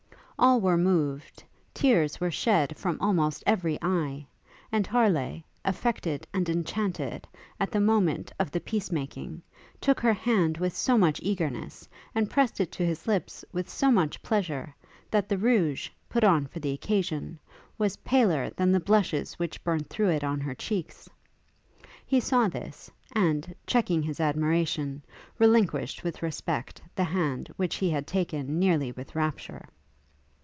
All were moved, tears were shed from almost every eye, and Harleigh, affected and enchanted, at the moment of the peace making, took her hand with so much eagerness, and pressed it to his lips with so much pleasure, that the rouge, put on for the occasion, was paler than the blushes which burnt through it on her cheeks. He saw this, and, checking his admiration, relinquished with respect the hand which he had taken nearly with rapture.